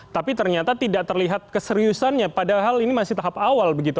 tapi ternyata tidak terlihat keseriusannya padahal ini masih tahap awal begitu